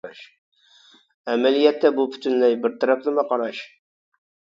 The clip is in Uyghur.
ئەمەلىيەتتە بۇ پۈتۈنلەي بىر تەرەپلىمە قاراش.